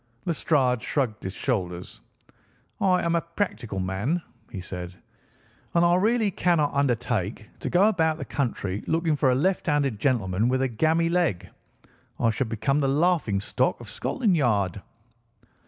Lestrade shrugged his shoulders. "I am a practical man," he said, "and I really cannot undertake to go about the country looking for a left handed gentleman with a game leg. I should become the laughing stock of Scotland Yard."